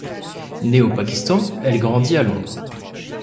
Née au Pakistan, elle grandit à Londres.